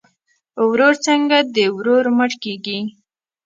ورور څنګه د ورور مټ کیږي؟